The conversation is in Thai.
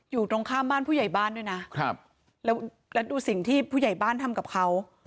อยู่ตรงข้ามบ้านผู้ใหญ่บ้านด้วยนะครับแล้วดูสิ่งที่ผู้ใหญ่บ้านทำกับเขา